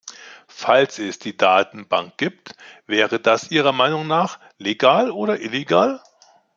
Falls es die Datenbanken gibt, wäre das Ihrer Meinung nach legal oder illegal?